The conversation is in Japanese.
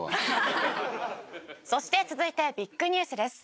そして続いてビッグニュースです。